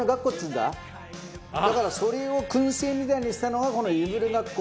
だからそれを薫製みたいにしたのがこのいぶりがっこ。